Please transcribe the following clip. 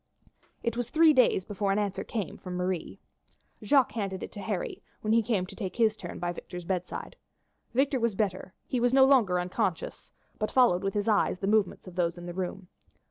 It was three days before an answer came from Marie. Jacques handed it to Harry when he came to take his turn by Victor's bedside. Victor was better; he was no longer unconscious, but followed with his eyes the movements of those in the room.